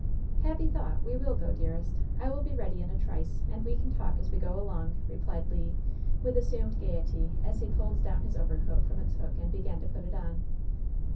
"Happy thought! We will go, dearest. I will be ready in a trice! And we can talk as we go along!" replied Le, with assumed gayety, as he pulled down his overcoat from its hook and began to put it on.